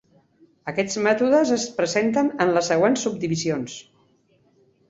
Aquests mètodes es presenten en les següents subdivisions.